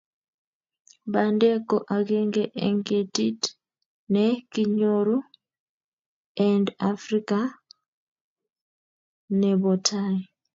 Bandee ko agenge eng ketit ne kinyoru end afrika ne bo tai